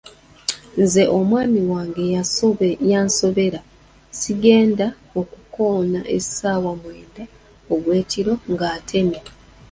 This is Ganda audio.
Nze omwami wange yansobera, zigenda okukoona essaawa mwenda ogw’ekiro ng’atemya.